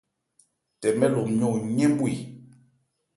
Tɛmɛ lo nmyɔn oyɛ́n bhwe.